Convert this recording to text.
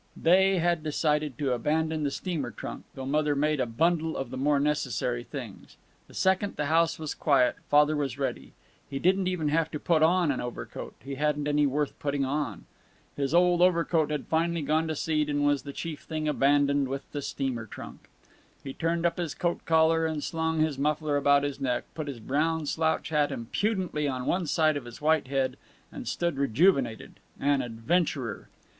They had decided to abandon the steamer trunk, though Mother made a bundle of the more necessary things. The second the house was quiet Father was ready. He didn't even have to put on an overcoat he hadn't any worth putting on. His old overcoat had finally gone to seed and was the chief thing abandoned with the steamer trunk. He turned up his coat collar and slung his muffler about his neck, put his brown slouch hat impudently on one side of his white head, and stood rejuvenated, an adventurer.